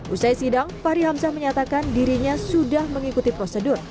usai sidang fahri hamzah menyatakan dirinya sudah mengikuti prosedur